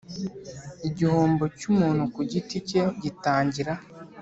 Igihombo cy umuntu ku giti cye gitangira